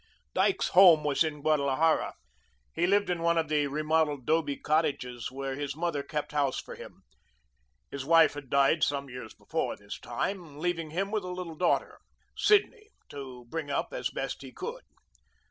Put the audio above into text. Dyke's home was in Guadalajara. He lived in one of the remodelled 'dobe cottages, where his mother kept house for him. His wife had died some five years before this time, leaving him a little daughter, Sidney, to bring up as best he could.